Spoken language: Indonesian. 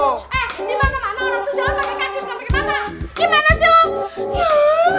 eh gimana mana orang tuh jalan pake kaki bukan pake mata